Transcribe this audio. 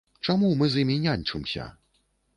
Чаму мы з імі няньчымся?